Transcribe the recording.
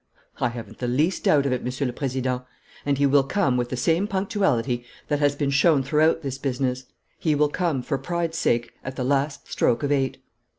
"I haven't the least doubt of it, Monsieur le Président. And he will come with the same punctuality that has been shown throughout this business. He will come, for pride's sake, at the last stroke of eight."